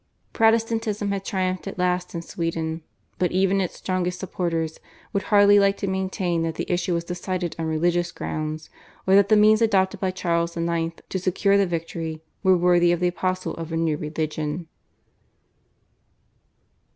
Protestantism had triumphed at last in Sweden, but even its strongest supporters would hardly like to maintain that the issue was decided on religious grounds, or that the means adopted by Charles IX. to secure the victory were worthy of the apostle of a new religion.